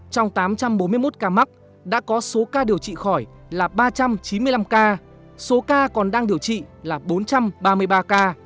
trong tám trăm bốn mươi một ca mắc đã có số ca điều trị khỏi là ba trăm chín mươi năm ca số ca còn đang điều trị là bốn trăm ba mươi ba ca